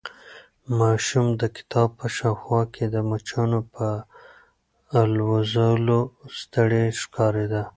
ماشوم د کباب په شاوخوا کې د مچانو په الوزولو ستړی ښکارېده.